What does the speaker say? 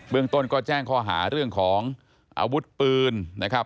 เมืองต้นก็แจ้งข้อหาเรื่องของอาวุธปืนนะครับ